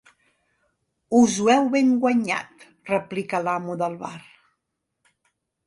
Us ho heu ben guanyat —replica l'amo del bar.